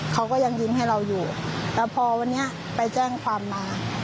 เขาก็ยังยิ้มให้เราอยู่แล้วพอวันนี้ไปแจ้งความมา